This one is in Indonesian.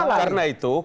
tidak ada yang salah